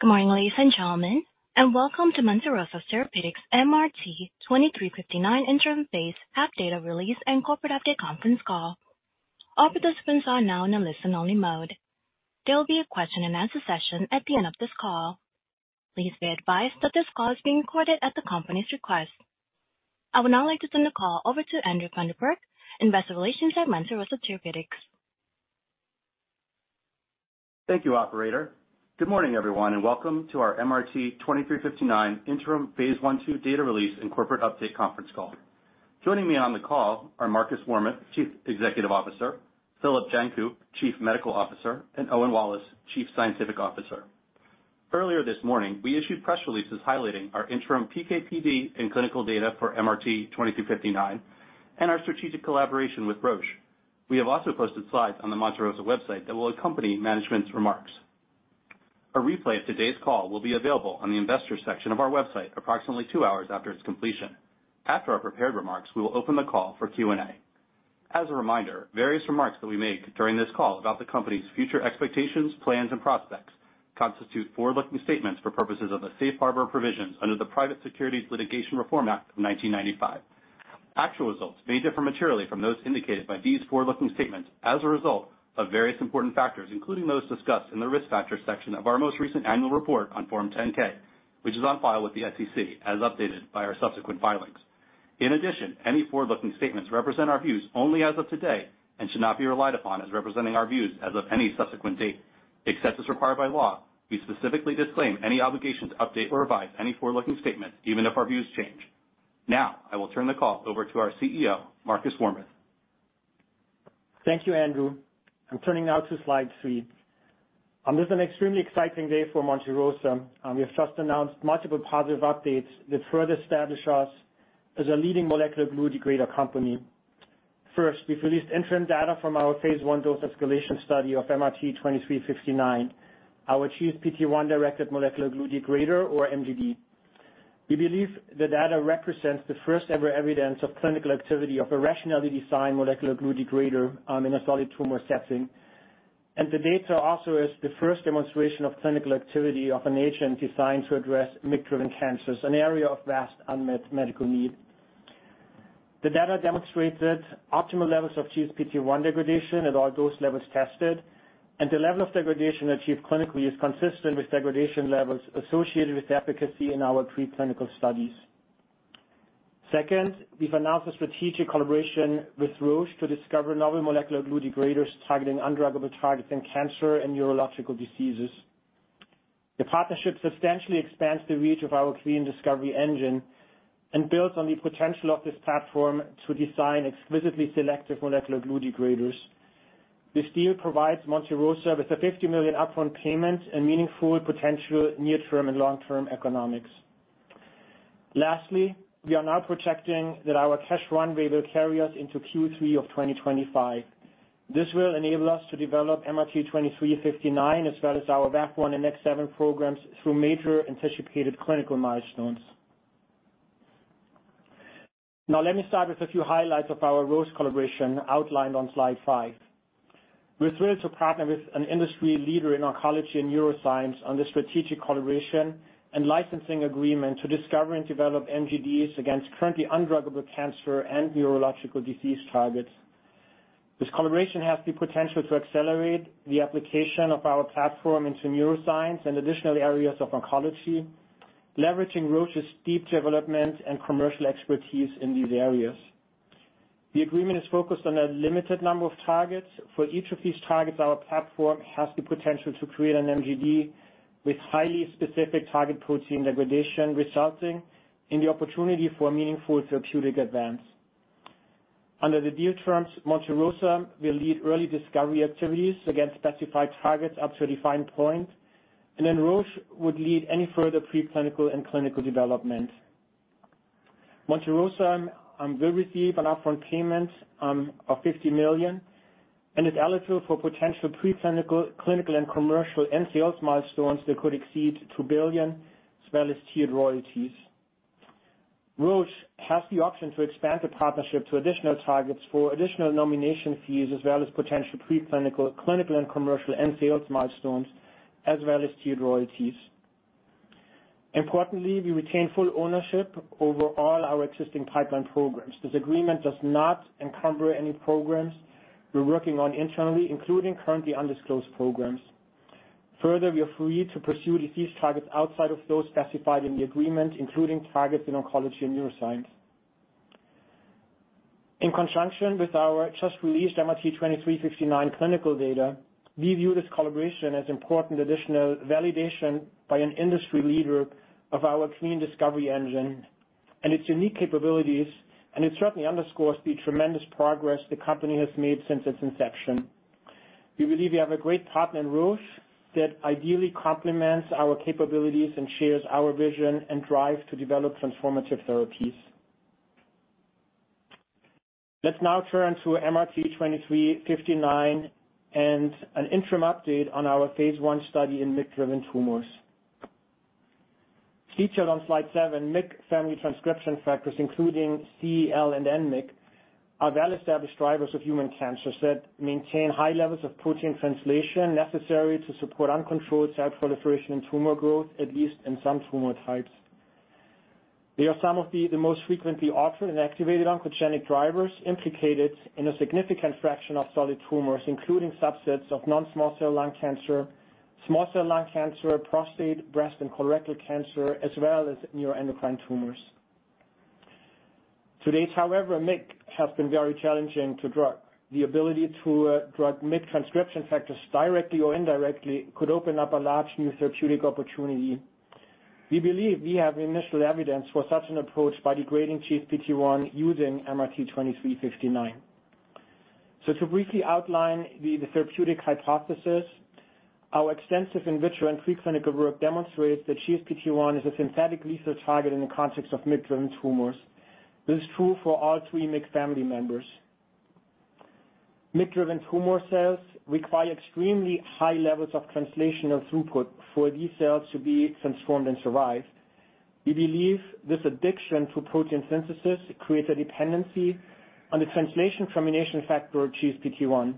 Good morning, ladies and gentlemen, and welcome to Monte Rosa Therapeutics MRT-2359 Interim Phase 1 Data Release and Corporate Update conference call. All participants are now in a listen-only mode. There will be a question-and-answer session at the end of this call. Please be advised that this call is being recorded at the company's request. I would now like to turn the call over to Andrew Funderburk, Investor Relations at Monte Rosa Therapeutics. Thank you, operator. Good morning, everyone, and welcome to our MRT-2359 Interim Phase 1, 2 Data Release and Corporate Update conference call. Joining me on the call are Markus Warmuth, Chief Executive Officer, Filip Janku, Chief Medical Officer, and Owen Wallace, Chief Scientific Officer. Earlier this morning, we issued press releases highlighting our interim PK/PD and clinical data for MRT-2359 and our strategic collaboration with Roche. We have also posted slides on the Monte Rosa website that will accompany management's remarks. A replay of today's call will be available on the investor section of our website approximately 2 hours after its completion. After our prepared remarks, we will open the call for Q&A. As a reminder, various remarks that we make during this call about the company's future expectations, plans, and prospects constitute forward-looking statements for purposes of the safe harbor provisions under the Private Securities Litigation Reform Act of 1995. Actual results may differ materially from those indicated by these forward-looking statements as a result of various important factors, including those discussed in the Risk Factors section of our most recent annual report on Form 10-K, which is on file with the SEC, as updated by our subsequent filings. In addition, any forward-looking statements represent our views only as of today and should not be relied upon as representing our views as of any subsequent date. Except as required by law, we specifically disclaim any obligation to update or revise any forward-looking statements, even if our views change. Now, I will turn the call over to our CEO, Markus Warmuth. Thank you, Andrew. I'm turning now to slide 3. This is an extremely exciting day for Monte Rosa. We have just announced multiple positive updates that further establish us as a leading molecular glue degrader company. First, we've released interim data from our phase 1 dose-escalation study of MRT-2359, our GSPT1-directed molecular glue degrader, or MGD. We believe the data represents the first-ever evidence of clinical activity of a rationally designed molecular glue degrader in a solid tumor setting. The data also is the first demonstration of clinical activity of an agent designed to address MYC-driven cancers, an area of vast unmet medical need. The data demonstrated optimal levels of GSPT1 degradation at all dose levels tested, and the level of degradation achieved clinically is consistent with degradation levels associated with efficacy in our preclinical studies. Second, we've announced a strategic collaboration with Roche to discover novel molecular glue degraders targeting undruggable targets in cancer and neurological diseases. The partnership substantially expands the reach of our clean discovery engine and builds on the potential of this platform to design exquisitely selective molecular glue degraders. This deal provides Monte Rosa with a $50,000,000 upfront payment and meaningful potential near-term and long-term economics. Lastly, we are now projecting that our cash runway will carry us into Q3 of 2025. This will enable us to develop MRT-2359, as well as our VAV1 programs, through major anticipated clinical milestones. Now, let me start with a few highlights of our Roche collaboration outlined on slide five. We're thrilled to partner with an industry leader in oncology and neuroscience on this strategic collaboration and licensing agreement to discover and develop MGDs against currently undruggable cancer and neurological disease targets. This collaboration has the potential to accelerate the application of our platform into neuroscience and additional areas of oncology, leveraging Roche's deep development and commercial expertise in these areas. The agreement is focused on a limited number of targets. For each of these targets, our platform has the potential to create an MGD with highly specific target protein degradation, resulting in the opportunity for meaningful therapeutic advance. Under the deal terms, Monte Rosa will lead early discovery activities against specified targets up to a defined point, and then Roche would lead any further preclinical and clinical development. Monte Rosa will receive an upfront payment of $50,000,000 and is eligible for potential preclinical, clinical, and commercial and sales milestones that could exceed $2,000,000,000, as well as tiered royalties. Roche has the option to expand the partnership to additional targets for additional nomination fees, as well as potential preclinical, clinical, and commercial and sales milestones, as well as tiered royalties. Importantly, we retain full ownership over all our existing pipeline programs. This agreement does not encumber any programs we're working on internally, including currently undisclosed programs. Further, we are free to pursue disease targets outside of those specified in the agreement, including targets in oncology and neuroscience. In conjunction with our just-released MRT-2359 clinical data, we view this collaboration as important additional validation by an industry leader of our clean discovery engine and its unique capabilities, and it certainly underscores the tremendous progress the company has made since its inception. We believe we have a great partner in Roche that ideally complements our capabilities and shares our vision and drive to develop transformative therapies. Let's now turn to MRT-2359 and an interim update on our phase 1 study in MYC-driven tumors. Featured on Slide 7, MYC family transcription factors, including c-MYC, L-MYC, and N-MYC, are well-established drivers of human cancers that maintain high levels of protein translation necessary to support uncontrolled cell proliferation and tumor growth, at least in some tumor types. They are some of the most frequently altered and activated oncogenic drivers, implicated in a significant fraction of solid tumors, including subsets of non-small cell lung cancer, small cell lung cancer, prostate, breast, and colorectal cancer, as well as neuroendocrine tumors. To date, however, MYC has been very challenging to drug. The ability to drug MYC transcription factors, directly or indirectly, could open up a large new therapeutic opportunity. We believe we have initial evidence for such an approach by degrading GSPT1 using MRT-2359. So to briefly outline the therapeutic hypothesis, our extensive in vitro and preclinical work demonstrates that GSPT1 is a synthetic lethal target in the context of MYC-driven tumors. This is true for all three MYC family members. MYC-driven tumor cells require extremely high levels of translational throughput for these cells to be transformed and survive. We believe this addiction to protein synthesis creates a dependency on the translation termination factor, GSPT1.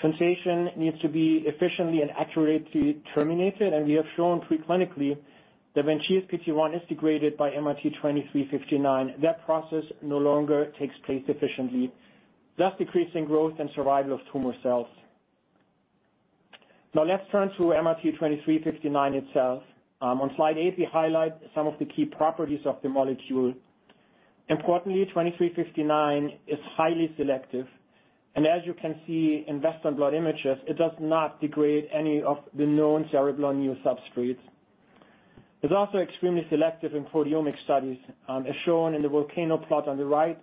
Translation needs to be efficiently and accurately terminated, and we have shown preclinically, that when GSPT1 is degraded by MRT-2359, that process no longer takes place efficiently, thus decreasing growth and survival of tumor cells. Now, let's turn to MRT-2359 itself. On Slide 8, we highlight some of the key properties of the molecule. Importantly, MRT-2359 is highly selective, and as you can see in Western blot images, it does not degrade any of the known cereblon neosubstrates. It's also extremely selective in proteomic studies. As shown in the volcano plot on the right,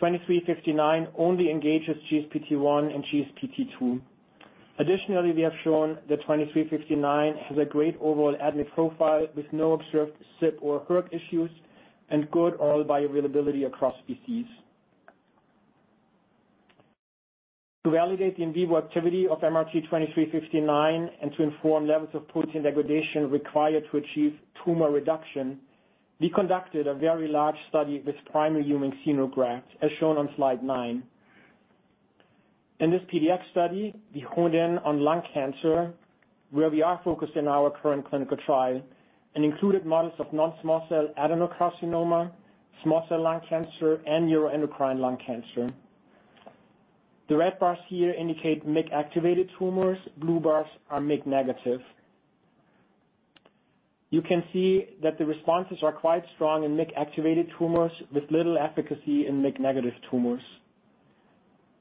MRT-2359 only engages GSPT1 and GSPT2. Additionally, we have shown that MRT-2359 has a great overall ADME profile with no observed CYP or hERG issues, and good oral bioavailability across species. To validate the in vivo activity of MRT-2359, and to inform levels of protein degradation required to achieve tumor reduction, we conducted a very large study with primary human xenografts, as shown on Slide 9. In this PDX study, we honed in on lung cancer, where we are focused in our current clinical trial, and included models of non-small cell adenocarcinoma, small cell lung cancer, and neuroendocrine lung cancer. The red bars here indicate MYC-activated tumors. Blue bars are MYC negative. You can see that the responses are quite strong in MYC-activated tumors, with little efficacy in MYC-negative tumors.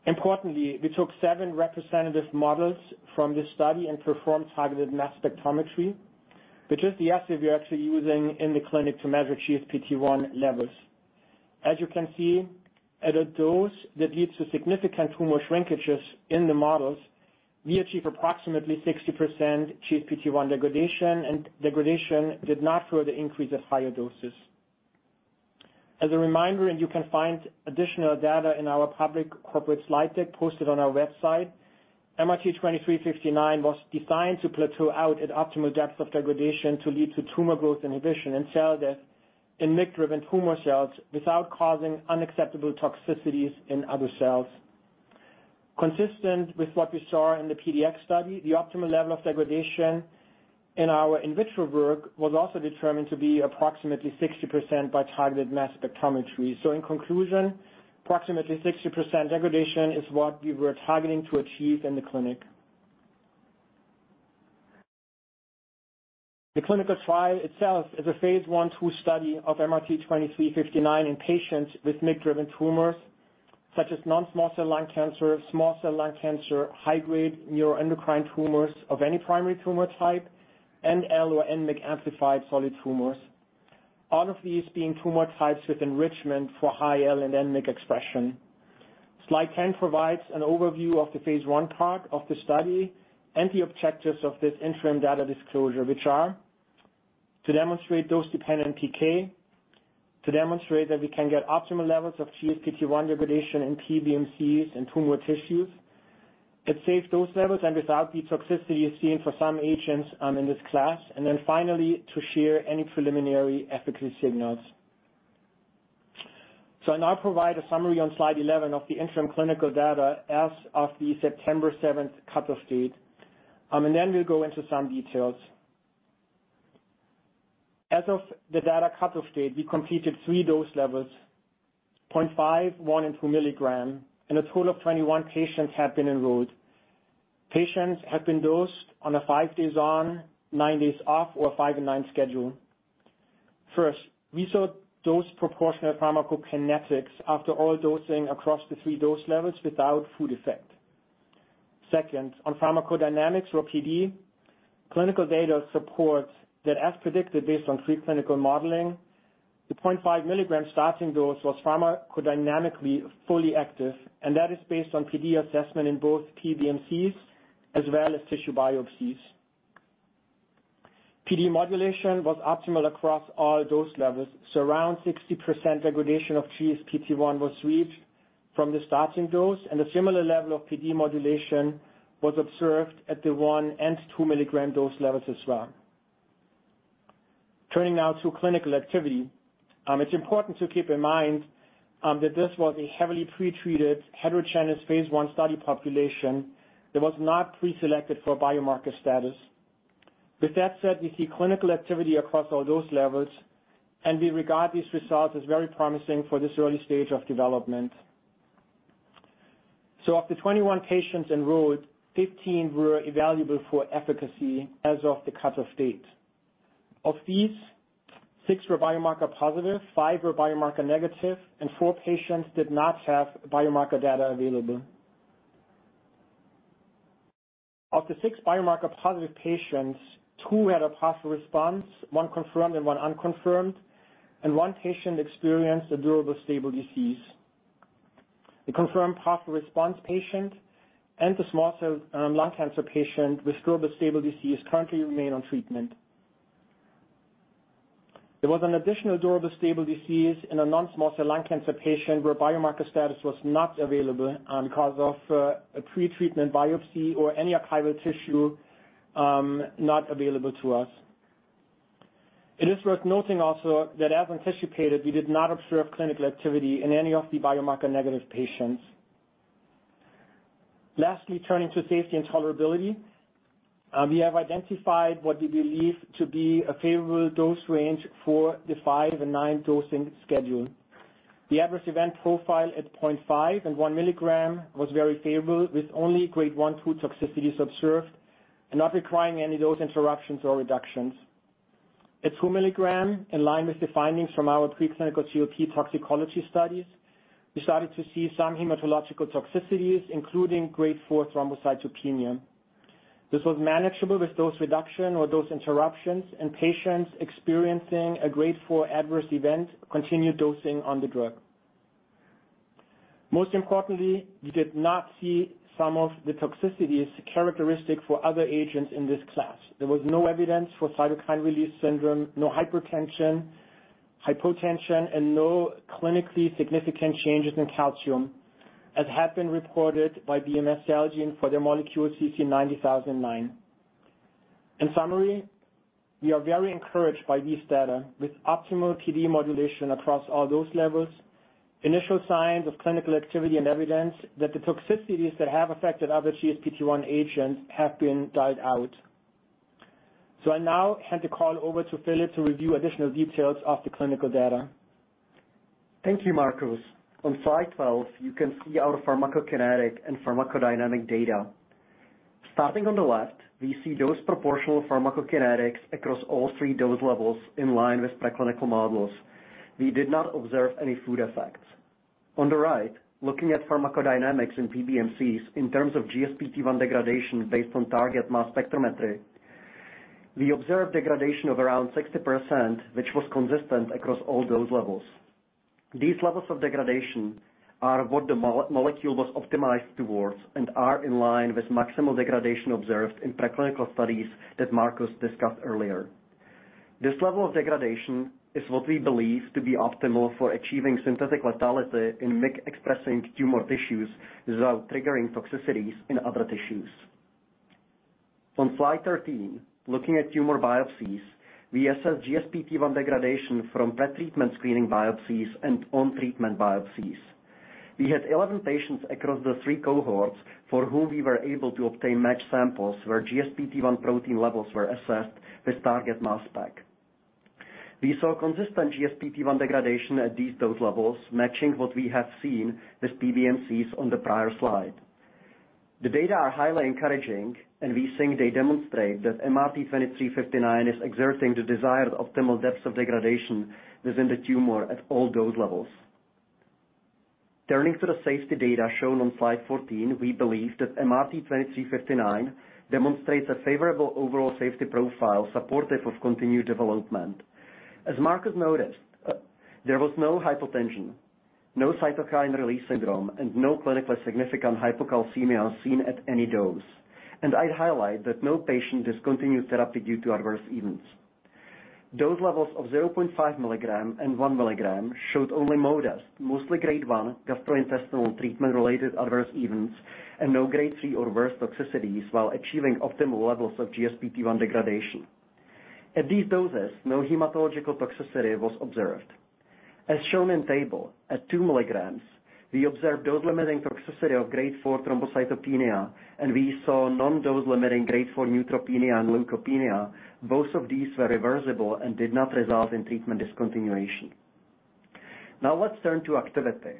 Importantly, we took 7 representative models from this study and performed targeted mass spectrometry, which is the assay we are actually using in the clinic to measure GSPT1 levels. As you can see, at a dose that leads to significant tumor shrinkages in the models, we achieve approximately 60% GSPT1 degradation, and degradation did not further increase at higher doses. As a reminder, and you can find additional data in our public corporate slide deck posted on our website, MRT-2359 was designed to plateau out at optimal depth of degradation to lead to tumor growth inhibition and cell death in MYC-driven tumor cells, without causing unacceptable toxicities in other cells. Consistent with what we saw in the PDX study, the optimal level of degradation in our in vitro work was also determined to be approximately 60% by targeted mass spectrometry. So in conclusion, approximately 60% degradation is what we were targeting to achieve in the clinic. The clinical trial itself is a phase 1/2 study of MRT-2359 in patients with MYC-driven tumors, such as non-small cell lung cancer, small cell lung cancer, high-grade neuroendocrine tumors of any primary tumor type, L or N-MYC amplified solid tumors, all of these being tumor types with enrichment for high L and N-MYC expression. Slide 10 provides an overview of the phase 1 part of the study and the objectives of this interim data disclosure, which are to demonstrate dose-dependent PK, to demonstrate that we can get optimal levels of GSPT1 degradation in PBMCs in tumor tissues. It's safe dose levels and without the toxicity seen for some agents in this class, and then finally, to share any preliminary efficacy signals. I now provide a summary on Slide 11 of the interim clinical data as of the September 7 cutoff date, and then we'll go into some details. As of the data cutoff date, we completed 3 dose levels, 0.5, 1, and 2 mg, and a total of 21 patients have been enrolled. Patients have been dosed on a 5 days on, 9 days off, or 5 and 9 schedule. First, we saw dose proportional pharmacokinetics after all dosing across the 3 dose levels without food effect. Second, on pharmacodynamics or PD, clinical data supports that, as predicted, based on preclinical modeling, the 0.5 milligram starting dose was pharmacodynamically fully active, and that is based on PD assessment in both PBMCs as well as tissue biopsies. PD modulation was optimal across all dose levels, so around 60% degradation of GSPT1 was reached from the starting dose, and a similar level of PD modulation was observed at the 1 and 2 milligram dose levels as well. Turning now to clinical activity, it's important to keep in mind that this was a heavily pretreated, heterogeneous phase 1 study population that was not preselected for biomarker status. With that said, we see clinical activity across all dose levels, and we regard these results as very promising for this early stage of development. So of the 21 patients enrolled, 15 were evaluable for efficacy as of the cut-off date. Of these, six were biomarker positive, five were biomarker negative, and four patients did not have biomarker data available. Of the six biomarker-positive patients, two had a partial response, one confirmed and one unconfirmed, and one patient experienced a durable stable disease. The confirmed partial response patient and the small cell lung cancer patient with durable stable disease currently remain on treatment. There was an additional durable stable disease in a non-small cell lung cancer patient, where biomarker status was not available because of a pretreatment biopsy or any archival tissue not available to us. It is worth noting also that, as anticipated, we did not observe clinical activity in any of the biomarker-negative patients. Lastly, turning to safety and tolerability, we have identified what we believe to be a favorable dose range for the 5 and 9 dosing schedule. The adverse event profile at 0.5 and 1 milligram was very favorable, with only grade 1, 2 toxicities observed and not requiring any dose interruptions or reductions. At 2 milligram, in line with the findings from our preclinical GLP toxicology studies, we started to see some hematological toxicities, including grade 4 thrombocytopenia. This was manageable with dose reduction or dose interruptions, and patients experiencing a grade 4 adverse event continued dosing on the drug. Most importantly, we did not see some of the toxicities characteristic for other agents in this class. There was no evidence for cytokine release syndrome, no hypertension, hypotension, and no clinically significant changes in calcium, as had been reported by BMS/Celgene for their molecule CC-90009. In summary, we are very encouraged by these data. With optimal PD modulation across all dose levels, initial signs of clinical activity, and evidence that the toxicities that have affected other GSPT1 agents have been dialed out. So I now hand the call over to Filip to review additional details of the clinical data. Thank you, Markus. On slide 12, you can see our pharmacokinetic and pharmacodynamic data. Starting on the left, we see dose proportional pharmacokinetics across all three dose levels in line with preclinical models. We did not observe any food effects. On the right, looking at pharmacodynamics in PBMCs in terms of GSPT1 degradation based on target mass spectrometry, we observed degradation of around 60%, which was consistent across all dose levels. These levels of degradation are what the molecule was optimized towards and are in line with maximal degradation observed in preclinical studies that Markus discussed earlier. This level of degradation is what we believe to be optimal for achieving synthetic lethality in MYC-expressing tumor tissues without triggering toxicities in other tissues. On slide 13, looking at tumor biopsies, we assess GSPT1 degradation from pre-treatment screening biopsies and on-treatment biopsies. We had 11 patients across the 3 cohorts for whom we were able to obtain matched samples, where GSPT1 protein levels were assessed with target mass spec. We saw consistent GSPT1 degradation at these dose levels, matching what we have seen with PBMCs on the prior slide. The data are highly encouraging, and we think they demonstrate that MRT-2359 is exerting the desired optimal depth of degradation within the tumor at all dose levels. Turning to the safety data shown on slide 14, we believe that MRT-2359 demonstrates a favorable overall safety profile supportive of continued development. As Markus noticed, there was no hypotension, no cytokine release syndrome, and no clinically significant hypocalcemia seen at any dose, and I'd highlight that no patient discontinued therapy due to adverse events. Dose levels of 0.5 milligram and 1 milligram showed only modest, mostly grade 1, gastrointestinal treatment-related adverse events and no grade 3 or worse toxicities while achieving optimal levels of GSPT1 degradation. At these doses, no hematological toxicity was observed. As shown in table, at 2 milligrams, we observed dose-limiting toxicity of grade 4 thrombocytopenia, and we saw non-dose limiting grade 4 neutropenia and leukopenia. Both of these were reversible and did not result in treatment discontinuation. Now, let's turn to activity.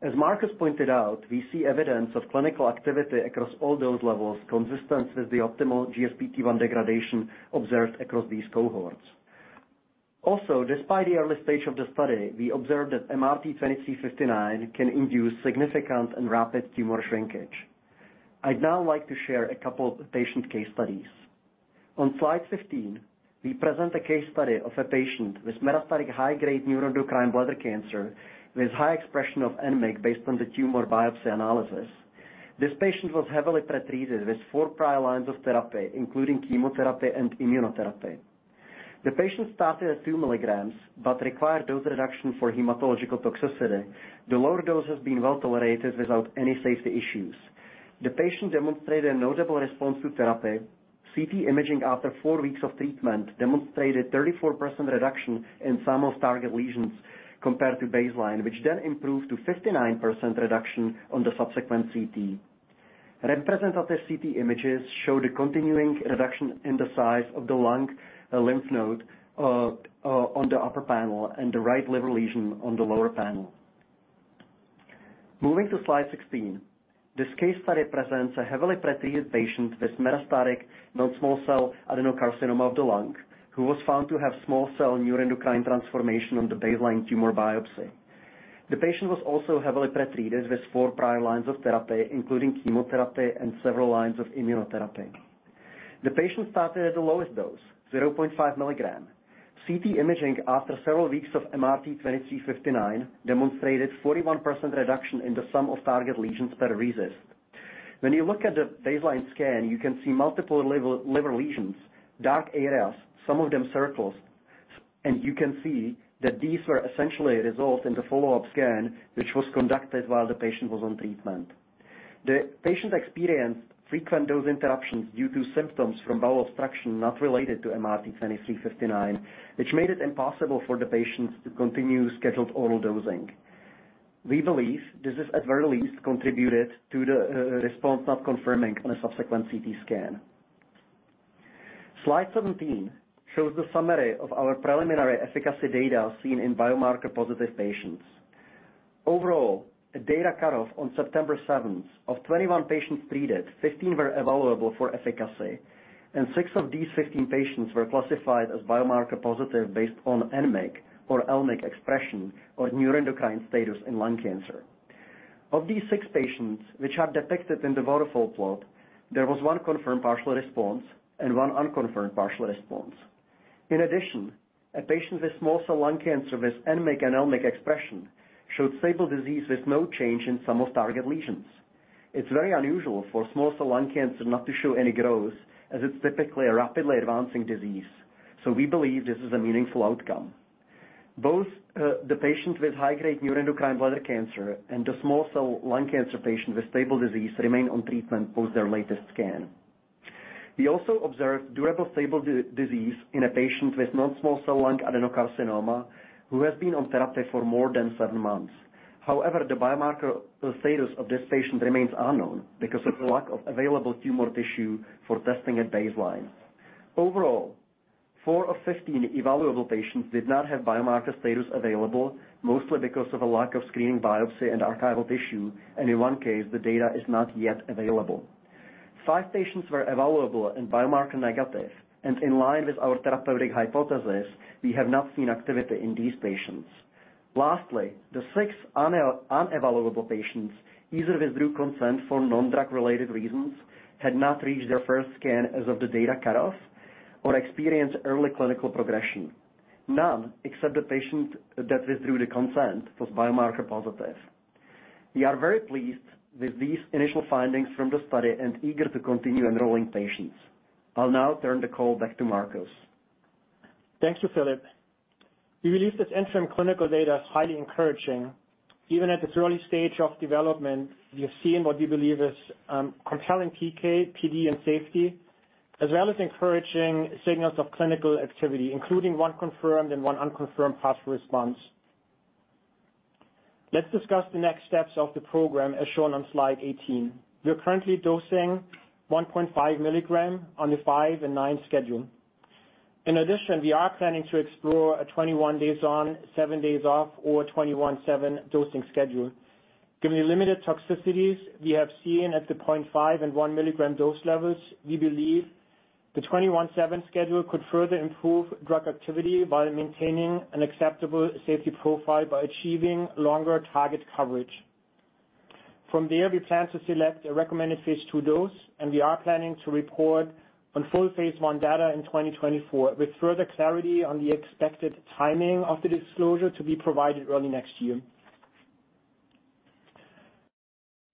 As Markus pointed out, we see evidence of clinical activity across all dose levels, consistent with the optimal GSPT1 degradation observed across these cohorts. Also, despite the early stage of the study, we observed that MRT-2359 can induce significant and rapid tumor shrinkage. I'd now like to share a couple of patient case studies. On Slide 15, we present a case study of a patient with metastatic high-grade neuroendocrine bladder cancer with high expression of N-MYC, based on the tumor biopsy analysis. This patient was heavily pretreated with 4 prior lines of therapy, including chemotherapy and immunotherapy. The patient started at 2 milligrams, but required dose reduction for hematological toxicity. The lower dose has been well-tolerated without any safety issues. The patient demonstrated a notable response to therapy. CT imaging after 4 weeks of treatment demonstrated 34% reduction in sum of target lesions compared to baseline, which then improved to 59% reduction on the subsequent CT. Representative CT images show the continuing reduction in the size of the lung lymph node on the upper panel, and the right liver lesion on the lower panel. Moving to slide 16, this case study presents a heavily pretreated patient with metastatic non-small cell adenocarcinoma of the lung, who was found to have small cell neuroendocrine transformation on the baseline tumor biopsy. The patient was also heavily pretreated with 4 prior lines of therapy, including chemotherapy and several lines of immunotherapy. The patient started at the lowest dose, 0.5 mg. CT imaging after several weeks of MRT-2359 demonstrated 41% reduction in the sum of target lesions per RECIST. When you look at the baseline scan, you can see multiple liver lesions, dark areas, some of them circled, and you can see that these were essentially resolved in the follow-up scan, which was conducted while the patient was on treatment. The patient experienced frequent dose interruptions due to symptoms from bowel obstruction, not related to MRT-2359, which made it impossible for the patients to continue scheduled oral dosing. We believe this has, at very least, contributed to the response, not confirming on a subsequent CT scan. Slide 17 shows the summary of our preliminary efficacy data seen in biomarker-positive patients. Overall, a data cutoff on September 7, of 21 patients treated, 15 were evaluable for efficacy, and six of these 15 patients were classified as biomarker positive based on N-MYC or L-MYC expression or neuroendocrine status in lung cancer. Of these six patients, which are depicted in the waterfall plot, there was one confirmed partial response and one unconfirmed partial response. In addition, a patient with small cell lung cancer with N-MYC and L-MYC expression showed stable disease with no change in sum of target lesions. It's very unusual for small cell lung cancer not to show any growth, as it's typically a rapidly advancing disease, so we believe this is a meaningful outcome. Both, the patient with high-grade neuroendocrine bladder cancer and the small cell lung cancer patient with stable disease remain on treatment post their latest scan. We also observed durable stable disease in a patient with non-small cell lung adenocarcinoma, who has been on therapy for more than seven months. However, the biomarker status of this patient remains unknown because of the lack of available tumor tissue for testing at baseline. Overall, four of 15 evaluable patients did not have biomarker status available, mostly because of a lack of screening, biopsy, and archival tissue, and in one case, the data is not yet available. Five patients were evaluable and biomarker negative, and in line with our therapeutic hypothesis, we have not seen activity in these patients. Lastly, the six unevaluable patients, either withdrew consent for non-drug related reasons, had not reached their first scan as of the data cutoff, or experienced early clinical progression. None, except the patient that withdrew the consent, was biomarker positive. We are very pleased with these initial findings from the study and eager to continue enrolling patients. I'll now turn the call back to Markus. Thank you, Filip. We believe this interim clinical data is highly encouraging. Even at this early stage of development, we have seen what we believe is compelling PK, PD, and safety, as well as encouraging signals of clinical activity, including one confirmed and one unconfirmed partial response. Let's discuss the next steps of the program, as shown on slide 18. We are currently dosing 1.5 milligram on the 5 and 9 schedule. In addition, we are planning to explore a 21 days on, 7 days off, or 21/7 dosing schedule. Given the limited toxicities we have seen at the 0.5 and 1 milligram dose levels, we believe the 21/7 schedule could further improve drug activity by maintaining an acceptable safety profile by achieving longer target coverage. From there, we plan to select a recommended phase 2 dose, and we are planning to report on full phase 1 data in 2024, with further clarity on the expected timing of the disclosure to be provided early next year.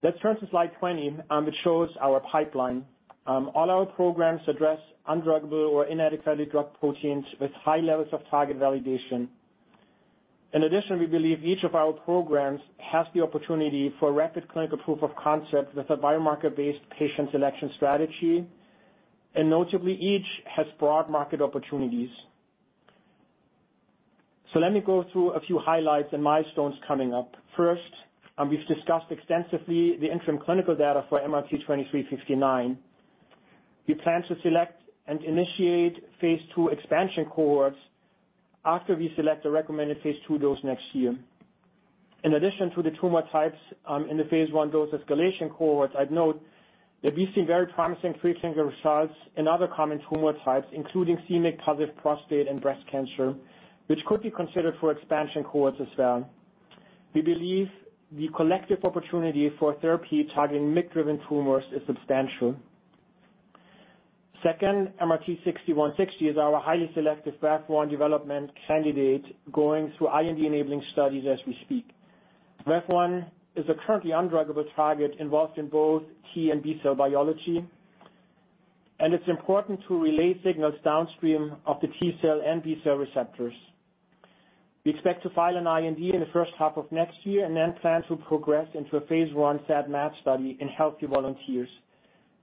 Let's turn to slide 20, which shows our pipeline. All our programs address undruggable or inadequately drugged proteins with high levels of target validation. In addition, we believe each of our programs has the opportunity for rapid clinical proof of concept with a biomarker-based patient selection strategy, and notably, each has broad market opportunities. So let me go through a few highlights and milestones coming up. First, and we've discussed extensively the interim clinical data for MRT-2359. We plan to select and initiate phase 2 expansion cohorts after we select a recommended phase 2 dose next year. In addition to the tumor types in the phase 1 dose escalation cohorts, I'd note that we've seen very promising preclinical results in other common tumor types, including c-MYC-positive prostate and breast cancer, which could be considered for expansion cohorts as well. We believe the collective opportunity for therapy targeting MYC-driven tumors is substantial. Second, MRT-6160 is our highly selective VAV1 development candidate going through IND-enabling studies as we speak. VAV1 is a currently undruggable target involved in both T and B-cell biology, and it's important to relay signals downstream of the T-cell and B-cell receptors. We expect to file an IND in the first half of next year and then plan to progress into a phase 1 SAD/MAD study in healthy volunteers.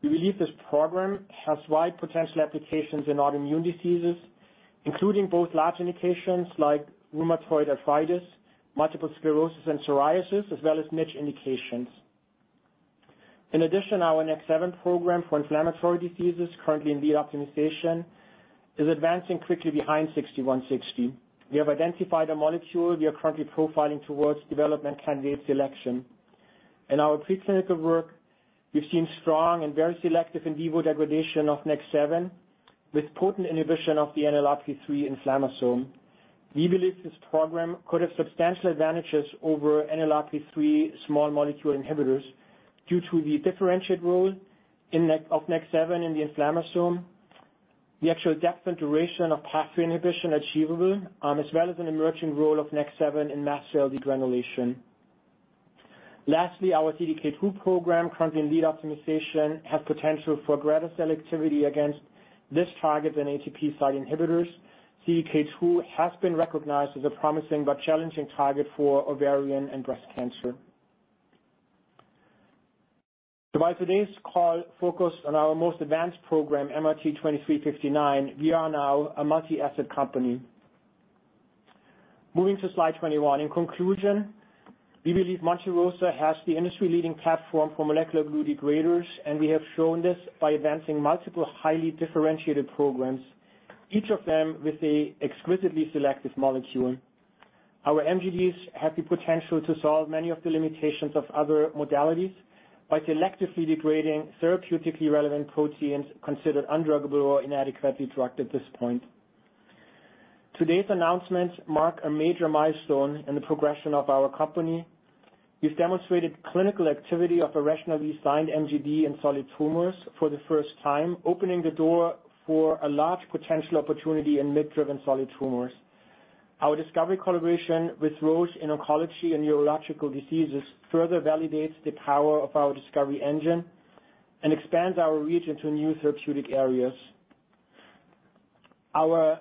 We believe this program has wide potential applications in autoimmune diseases, including both large indications like rheumatoid arthritis, multiple sclerosis, and psoriasis, as well as niche indications. In addition, our NEK7 program for inflammatory diseases, currently in lead optimization, is advancing quickly behind MRT-6160. We have identified a molecule we are currently profiling towards development candidate selection. In our preclinical work, we've seen strong and very selective in vivo degradation of NEK7, with potent inhibition of the NLRP3 inflammasome. We believe this program could have substantial advantages over NLRP3 small molecule inhibitors due to the differentiated role in of NEK7 in the inflammasome, the actual depth and duration of pathway inhibition achievable, as well as an emerging role of NEK7 in mast cell degranulation. Lastly, our CDK2 program, currently in lead optimization, has potential for greater selectivity against this target than ATP site inhibitors. CDK2 has been recognized as a promising but challenging target for ovarian and breast cancer. So while today's call focused on our most advanced program, MRT-2359, we are now a multi-asset company. Moving to slide 21. In conclusion, we believe Monte Rosa has the industry-leading platform for molecular glue degraders, and we have shown this by advancing multiple highly differentiated programs, each of them with an exquisitely selective molecule. Our MGDs have the potential to solve many of the limitations of other modalities by selectively degrading therapeutically relevant proteins considered undruggable or inadequately drugged at this point. Today's announcements mark a major milestone in the progression of our company. We've demonstrated clinical activity of a rationally designed MGD in solid tumors for the first time, opening the door for a large potential opportunity in MYC-driven solid tumors. Our discovery collaboration with Roche in oncology and neurological diseases further validates the power of our discovery engine and expands our reach into new therapeutic areas. Our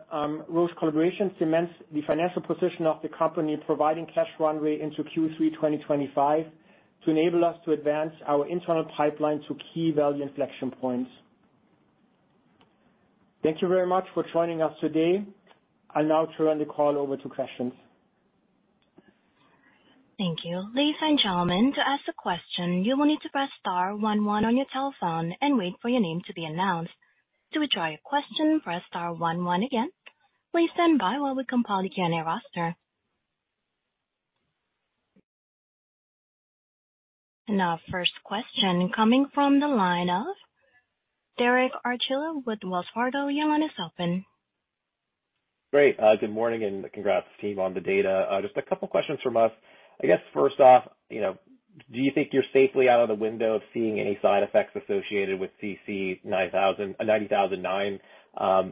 Roche collaboration cements the financial position of the company, providing cash runway into Q3 2025 to enable us to advance our internal pipeline to key value inflection points. Thank you very much for joining us today. I'll now turn the call over to questions. Thank you. Ladies and gentlemen, to ask a question, you will need to press star one one on your telephone and wait for your name to be announced. To withdraw your question, press star one one again. Please stand by while we compile the Q&A roster. Our first question coming from the line of Derek Archila with Wells Fargo. Your line is open. Great. Good morning, and congrats, team, on the data. Just a couple questions from us. I guess, first off, you know, do you think you're safely out of the window of seeing any side effects associated with CC-90009?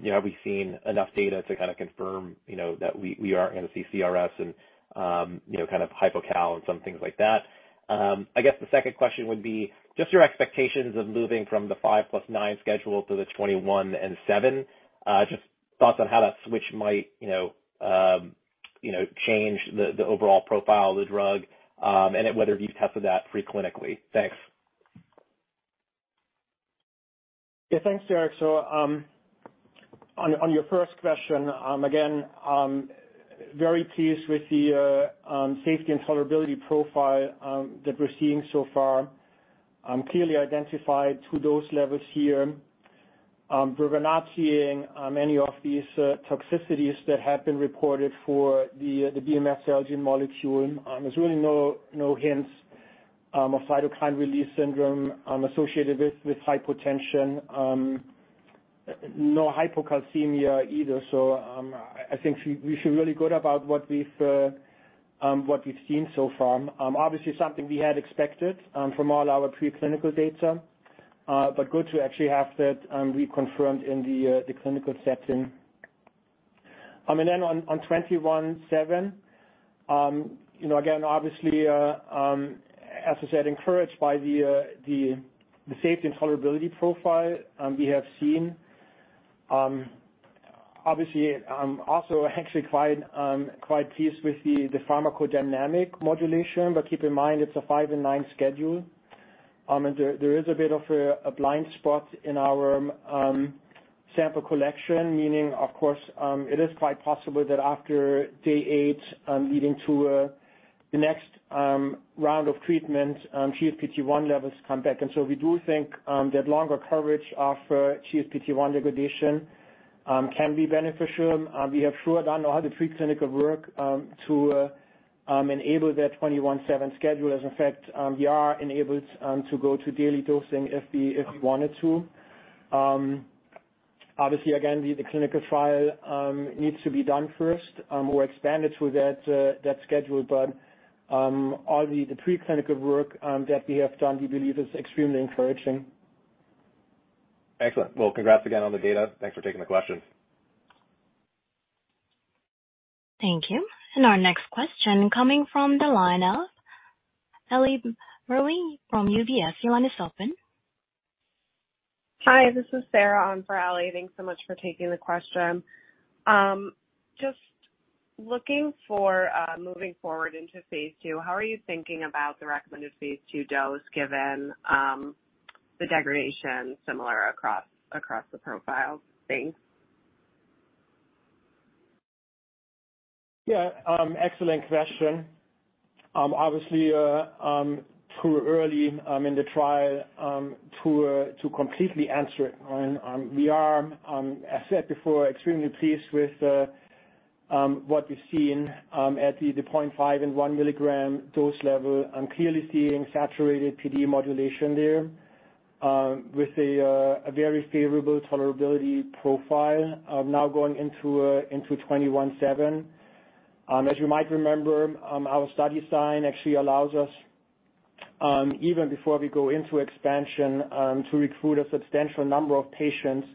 You know, have we seen enough data to kind of confirm, you know, that we, we aren't going to see CRS and, you know, kind of hypocal and some things like that. I guess the second question would be just your expectations of moving from the 5 + 9 schedule to the 21 and 7. Just thoughts on how that switch might, you know, change the, the overall profile of the drug, and whether you've tested that preclinically. Thanks. Yeah, thanks, Derek. So, on your first question, again, very pleased with the safety and tolerability profile that we're seeing so far. Clearly identified two dose levels here. We're not seeing any of these toxicities that have been reported for the BMS/Celgene molecule. There's really no hints of cytokine release syndrome associated with hypotension, no hypocalcemia either. So, I think we feel really good about what we've seen so far. Obviously, something we had expected from all our preclinical data, but good to actually have that reconfirmed in the clinical setting. And then on 21-7, you know, again, obviously, as I said, encouraged by the safety and tolerability profile we have seen. Obviously, also actually quite pleased with the pharmacodynamic modulation, but keep in mind, it's a 5 and 9 schedule. And there is a bit of a blind spot in our sample collection, meaning, of course, it is quite possible that after day 8, leading to the next round of treatment, GSPT1 levels come back. And so we do think that longer coverage of GSPT1 degradation can be beneficial. We have sure done all the preclinical work to enable that 21-7 schedule. As a fact, we are enabled to go to daily dosing if we wanted to. Obviously, again, the clinical trial needs to be done first, or expanded to that schedule. But all the preclinical work that we have done, we believe is extremely encouraging. Excellent. Well, congrats again on the data. Thanks for taking the questions. Thank you. Our next question coming from the line of Ellie Merle from UBS. Your line is open. Hi, this is Sarah on for Ellie. Thanks so much for taking the question. Just looking for, moving forward into phase 2, how are you thinking about the recommended phase 2 dose, given, the degradation similar across the profile? Thanks. Yeah, excellent question. Obviously, too early in the trial to completely answer it. We are, as I said before, extremely pleased with what we've seen at the 0.5 and 1 milligram dose level. I'm clearly seeing saturated PD modulation there, with a very favorable tolerability profile now going into 21-7. As you might remember, our study design actually allows us, even before we go into expansion, to recruit a substantial number of patients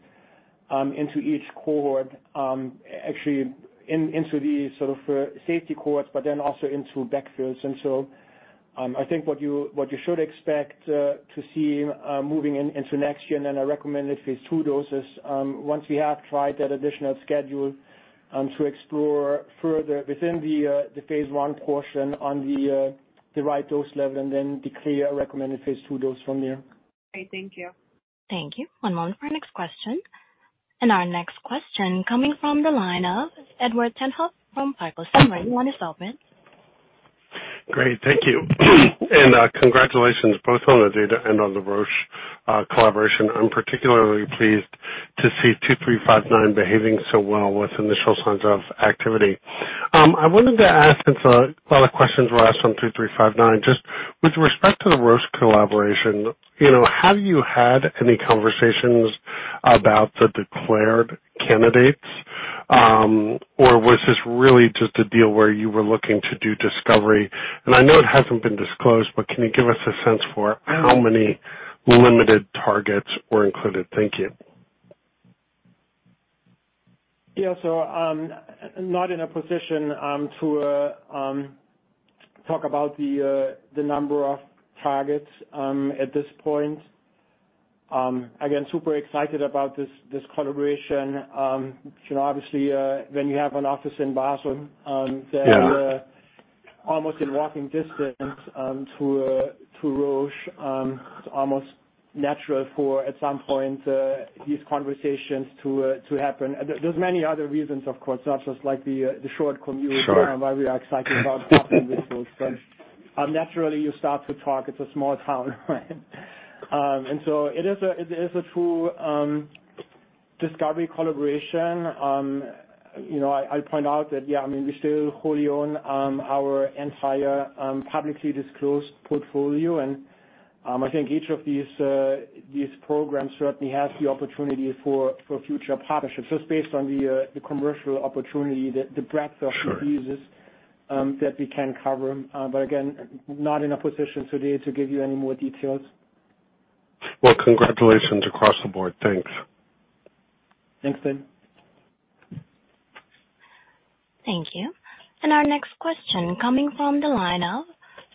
into each cohort, actually into the sort of safety cohorts, but then also into backfills. I think what you should expect to see moving into next year and a recommended phase 2 dose is, once we have tried that additional schedule, to explore further within the phase 1 portion on the right dose level and then declare a recommended phase 2 dose from there. Great. Thank you. Thank you. One moment for our next question. Our next question coming from the line of Edward Tenthoff from Piper Sandler. Your line is open. Great, thank you. And, congratulations both on the data and on the Roche collaboration. I'm particularly pleased to see MRT-2359 behaving so well with initial signs of activity. I wanted to ask, since a lot of questions were asked on MRT-2359, just with respect to the Roche collaboration, you know, have you had any conversations about the declared candidates? Or was this really just a deal where you were looking to do discovery? And I know it hasn't been disclosed, but can you give us a sense for how many limited targets were included? Thank you. Yeah, so, not in a position to talk about the number of targets at this point. Again, super excited about this, this collaboration. You know, obviously, when you have an office in Basel, then- Yeah... almost in walking distance, to, to Roche, it's almost natural for, at some point, these conversations to, to happen. There, there's many other reasons, of course, not just like the, the short commute- Sure -why we are excited about talking with those. But, naturally, you start to talk. It's a small town, right? And so it is a true discovery collaboration. You know, I'll point out that, yeah, I mean, we still wholly own our entire publicly disclosed portfolio. And I think each of these programs certainly has the opportunity for future partnerships, just based on the commercial opportunity, the breadth of- Sure diseases that we can cover. But again, not in a position today to give you any more details. Well, congratulations across the board. Thanks. Thanks, Ed. Thank you. And our next question coming from the line of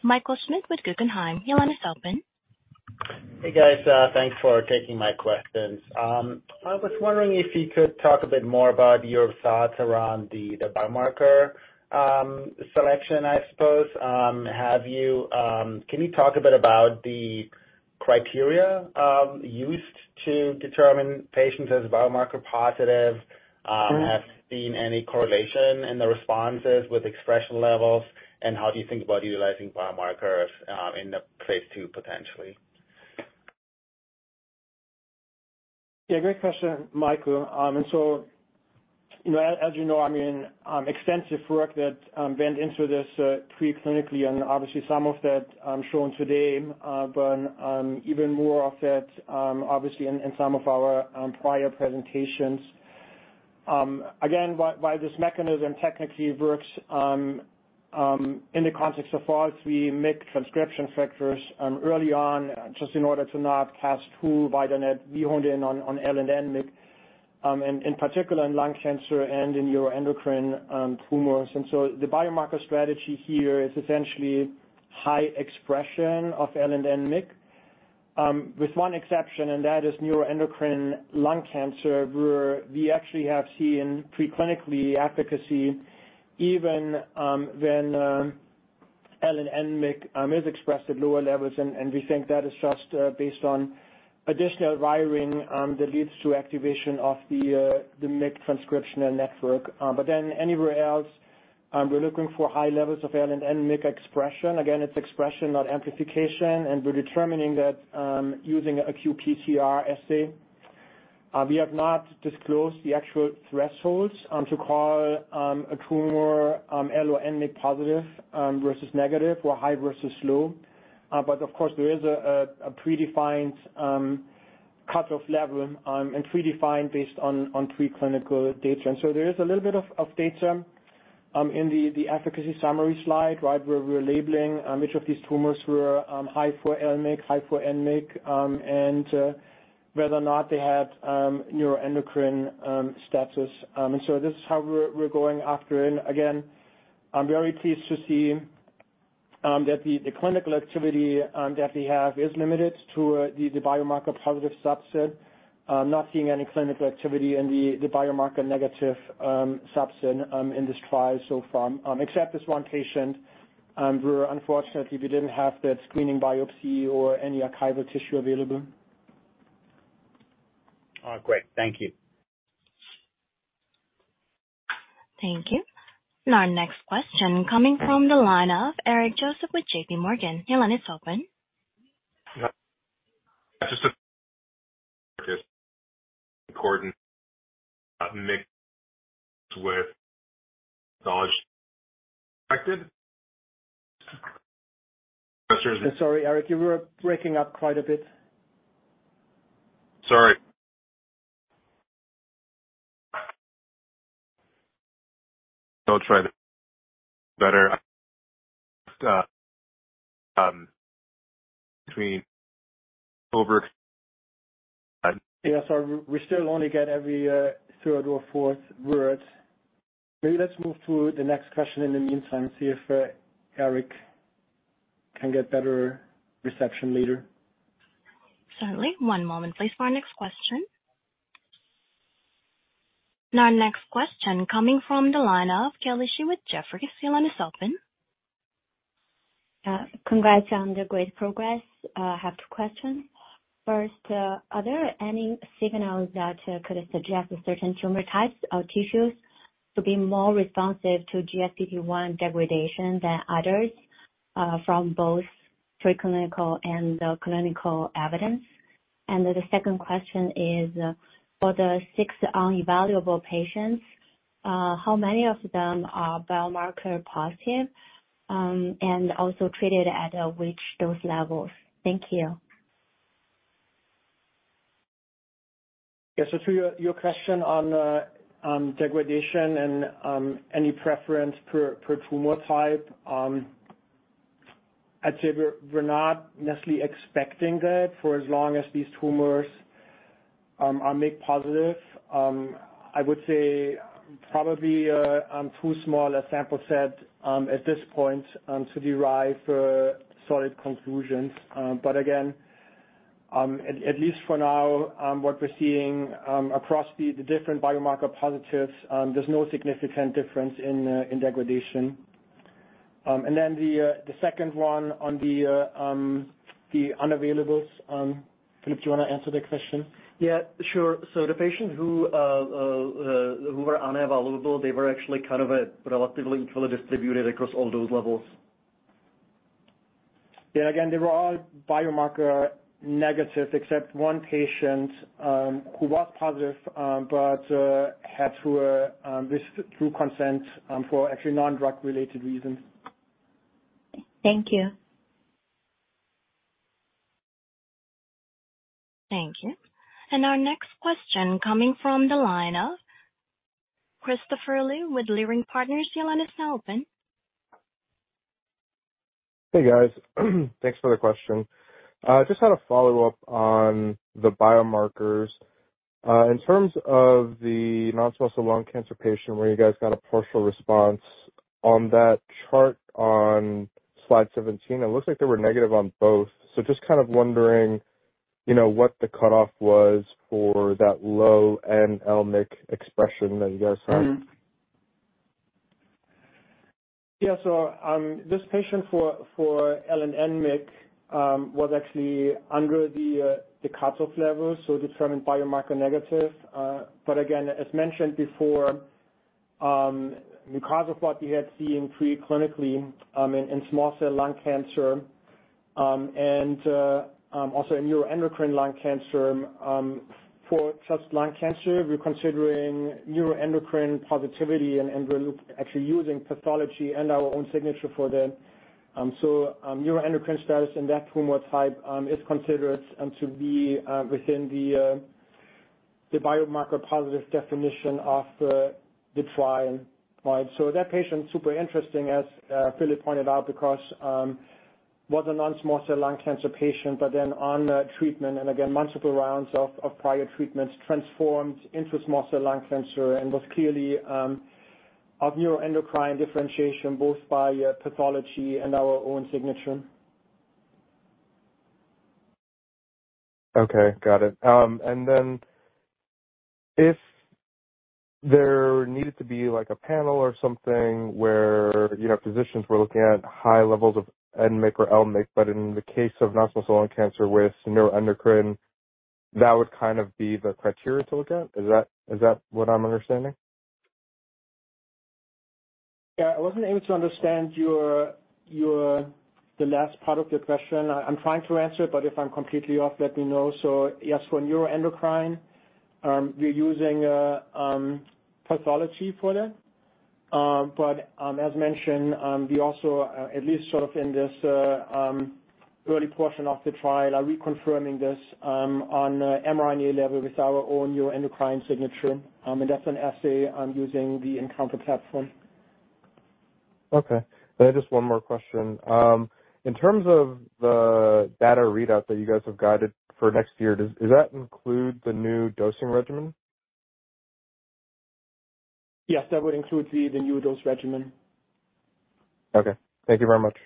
Michael Schmidt with Guggenheim. Your line is open. Hey, guys. Thanks for taking my questions. I was wondering if you could talk a bit more about your thoughts around the biomarker selection, I suppose. Can you talk a bit about the criteria used to determine patients as biomarker positive? Have seen any correlation in the responses with expression levels, and how do you think about utilizing biomarkers in the phase 2, potentially? Yeah, great question, Michael. And so, you know, as, as you know, I mean, extensive work that went into this, uh, preclinically, and obviously some of that shown today, but even more of it obviously in, in some of our prior presentations. Again, why, why this mechanism technically works, in the context of all three MYC transcription factors, early on, just in order to not cast too wide a net, we honed in on, on L- and N-MYC, and in particular in lung cancer and in neuroendocrine tumors. And so the biomarker strategy here is essentially high expression of L- and N-MYC, with one exception, and that is neuroendocrine lung cancer, where we actually have seen preclinically efficacy even, when L- and N-MYC is expressed at lower levels. We think that is just based on additional wiring that leads to activation of the MYC transcription factor network. But then anywhere else, we're looking for high levels of L- and N-MYC expression. Again, it's expression, not amplification, and we're determining that using a qPCR assay. We have not disclosed the actual thresholds to call a tumor L- or N-MYC positive versus negative or high versus low. But of course, there is a predefined cutoff level, and predefined based on preclinical data. And so there is a little bit of data in the efficacy summary slide, right where we're labeling which of these tumors were high for L-MYC, high for N-MYC, and whether or not they had neuroendocrine status. And so this is how we're going after. And again, I'm very pleased to see that the clinical activity that we have is limited to the biomarker-positive subset. Not seeing any clinical activity in the biomarker-negative subset in this trial so far, except this one patient, where unfortunately we didn't have that screening biopsy or any archival tissue available. Great. Thank you. Thank you. And our next question coming from the line of Eric Joseph with JP Morgan. Your line is open. Sorry, Eric, you were breaking up quite a bit. Sorry. Yeah, so we still only get every third or fourth word. Maybe let's move to the next question in the meantime, see if Eric can get better reception later. Certainly. One moment, please, for our next question. Our next question coming from the line of Kelly Shi with Jefferies. Your line is open. Congrats on the great progress. I have two questions. First, are there any signals that could suggest a certain tumor types or tissues to be more responsive to GSPT1 degradation than others, from both preclinical and the clinical evidence? And then the second question is, for the six unevaluable patients, how many of them are biomarker positive, and also treated at, which those levels? Thank you. Yes, so to your question on degradation and any preference per tumor type, I'd say we're not necessarily expecting that for as long as these tumors are MYC-positive. I would say probably too small a sample set at this point to derive solid conclusions. But again, at least for now, what we're seeing across the different biomarker positives, there's no significant difference in degradation. And then the second one on the unavailables. Filip, do you want to answer that question? Yeah, sure. So the patients who were unavailable, they were actually kind of relatively equally distributed across all those levels. Yeah, again, they were all biomarker negative, except one patient, who was positive, but had to withdraw consent, for actually non-drug related reasons. Thank you. Thank you. Our next question coming from the line of Christopher Liu with Leerink Partners. Your line is now open. Hey, guys. Thanks for the question. I just had a follow-up on the biomarkers. In terms of the non-small cell lung cancer patient, where you guys got a partial response. On that chart on slide 17, it looks like they were negative on both. So just kind of wondering, you know, what the cutoff was for that low N-MYC expression that you guys had? Mm-hmm. Yeah, so, this patient for L- and N-MYC was actually under the cutoff level, so determined biomarker negative. But again, as mentioned before, because of what we had seen pre-clinically, in small cell lung cancer, and also in neuroendocrine lung cancer, for just lung cancer, we're considering neuroendocrine positivity, and we're actually using pathology and our own signature for that. So, neuroendocrine status in that tumor type is considered to be within the biomarker positive definition of the trial. Right. So that patient, super interesting, as Filip pointed out, because was a non-small cell lung cancer patient, but then on treatment, and again, multiple rounds of prior treatments, transformed into small cell lung cancer and was clearly of neuroendocrine differentiation, both by pathology and our own signature. Okay, got it. And then if there needed to be, like, a panel or something where, you know, physicians were looking at high levels of N-MYC or L-MYC, but in the case of non-small cell lung cancer with neuroendocrine, that would kind of be the criteria to look at? Is that, is that what I'm understanding? Yeah. I wasn't able to understand your, your, the last part of your question. I'm trying to answer it, but if I'm completely off, let me know. So yes, for neuroendocrine, we're using pathology for that. But, as mentioned, we also, at least sort of in this early portion of the trial are reconfirming this, on mRNA level with our own new endocrine signature. And that's an assay using the nCounter platform. Okay. And just one more question. In terms of the data readout that you guys have guided for next year, does that include the new dosing regimen? Yes, that would include the new dose regimen. Okay. Thank you very much.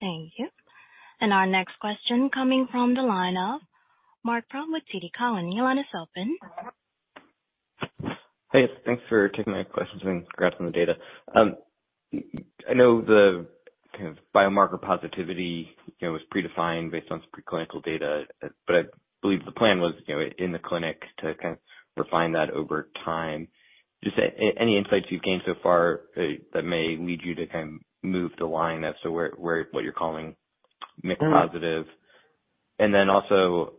Thank you. Our next question coming from the line of Marc Frahm with TD Cowen. Your line is open. Hey, thanks for taking my questions and congrats on the data. I know the kind of biomarker positivity, you know, was predefined based on some preclinical data, but I believe the plan was, you know, in the clinic to kind of refine that over time. Just any insights you've gained so far that may lead you to kind of move the line as to where what you're calling MYC positive? And then also,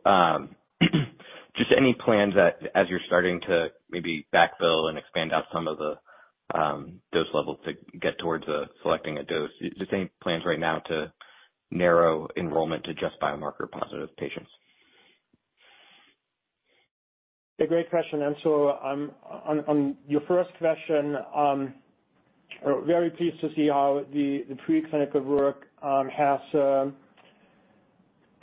just any plans that as you're starting to maybe backfill and expand out some of the dose levels to get towards selecting a dose, just any plans right now to narrow enrollment to just biomarker positive patients? A great question, and so, on your first question, we're very pleased to see how the preclinical work has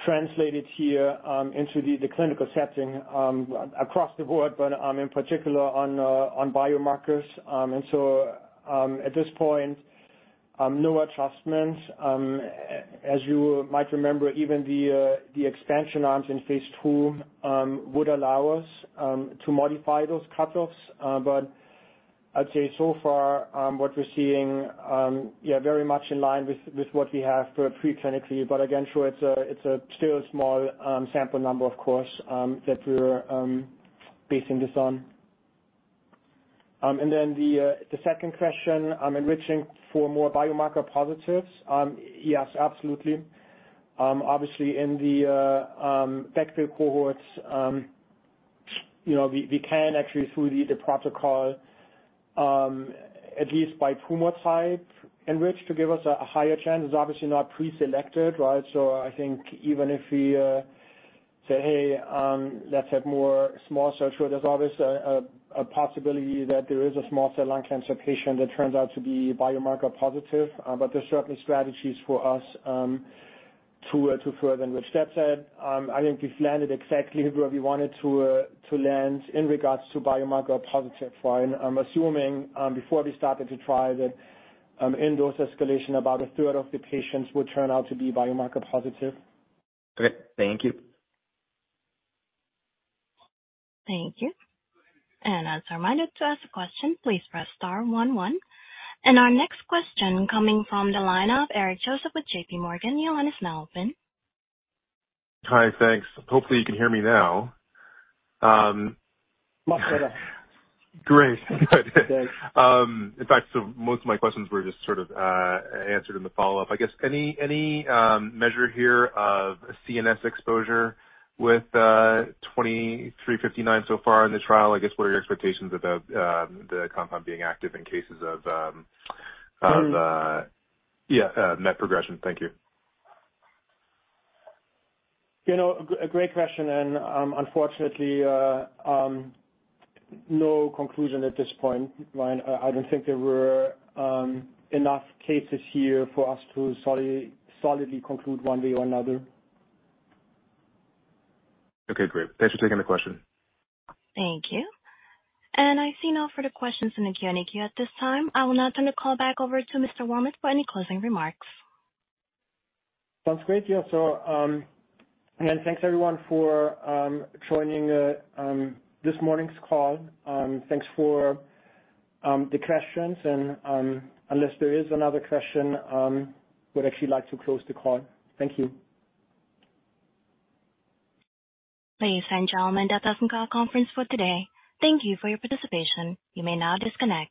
translated here into the clinical setting across the board, but in particular on biomarkers. And so, at this point, no adjustments. As you might remember, even the expansion arms in phase 2 would allow us to modify those cutoffs. But I'd say so far, what we're seeing, yeah, very much in line with what we have for preclinically. But again, sure, it's still a small sample number, of course, that we're basing this on. And then the second question, enriching for more biomarker positives. Yes, absolutely. Obviously, in the backfill cohorts, you know, we can actually through the protocol, at least by tumor type, enrich to give us a higher chance. It's obviously not preselected, right? So I think even if we say, "Hey, let's have more small cell," there's always a possibility that there is a small cell lung cancer patient that turns out to be biomarker positive. But there's certainly strategies for us to further enrich. That said, I think we've landed exactly where we wanted to land in regards to biomarker positive, Ryan. I'm assuming, before we started the trial, that in those escalation, about a third of the patients would turn out to be biomarker positive. Great. Thank you. Thank you. And as a reminder, to ask a question, please press star one, one. And our next question coming from the line of Eric Joseph with JP Morgan. Your line is now open. Hi, thanks. Hopefully, you can hear me now. Much better. Great. Good. In fact, so most of my questions were just sort of answered in the follow-up. I guess any measure here of CNS exposure with MRT-2359 so far in the trial? I guess, what are your expectations about the compound being active in cases of Mm. Yeah, NET progression. Thank you. You know, a great question, and, unfortunately, no conclusion at this point, Ryan. I don't think there were enough cases here for us to solidly conclude one way or another. Okay, great. Thanks for taking the question. Thank you. I see no further questions in the Q&A queue at this time. I will now turn the call back over to Mr. Warmuth for any closing remarks. Sounds great. Yeah, so, again, thanks, everyone, for joining this morning's call. Thanks for the questions, and unless there is another question, would actually like to close the call. Thank you. Ladies and gentlemen, that ends our conference for today. Thank you for your participation. You may now disconnect.